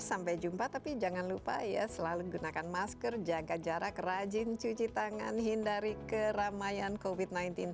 sampai jumpa tapi jangan lupa ya selalu gunakan masker jaga jarak rajin cuci tangan hindari keramaian covid sembilan belas